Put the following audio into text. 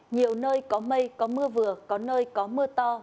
nhiều nơi có mây có mưa vừa có nơi có mưa to